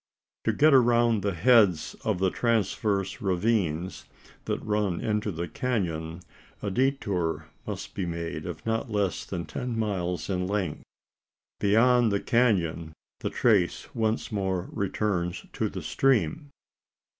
To get round the heads of the transverse ravines, that run into the canon, a detour must be made of not less than ten miles in length. Beyond the canon the trace once more returns to the stream.